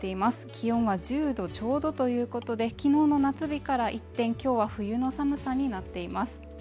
気温は１０度ちょうどということで昨日の夏日から一転今日は冬の寒さになっています。